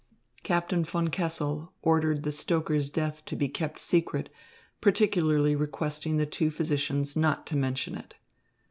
Captain von Kessel ordered the stoker's death to be kept secret, particularly requesting the two physicians not to mention it.